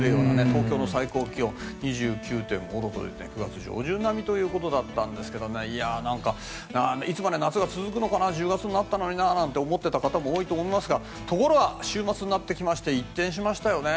東京の最高気温２９．５度という９月上旬並みということだったんですがいつまで夏が続くのかな１０月になったのにななんて思った方も多いと思いますがところが、週末になってきまして一転しましたよね。